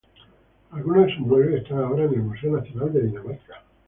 Algunos de sus muebles están ahora en el Museo Nacional de Dinamarca.